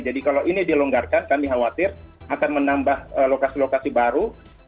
jadi kalau ini dilonggarkan kami khawatir akan menambah lokasi lokasi baru